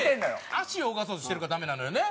足を動かそうとしてるからダメなのよね？